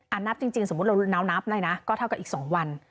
อ่านับจริงจริงสมมุติเรานับนับได้นะก็เท่ากับอีกสองวัน